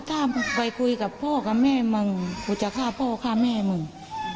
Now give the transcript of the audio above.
ถ้ามึงไปคุยกับพ่อกับแม่มึงกูจะฆ่าพ่อฆ่าแม่มึง